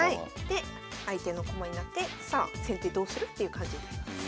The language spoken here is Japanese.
で相手の駒になってさあ先手どうする？っていう感じになります。